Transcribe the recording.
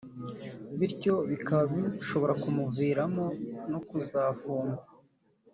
bityo bikaba bishobora kumuviramo no kuzafungwa